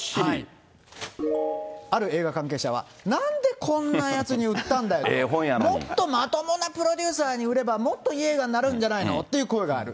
ある映画関係者は、なんでこんなやつに売ったんだよと、もっとまともなプロデューサーに売れば、もっといい映画になるんじゃないのって声がある。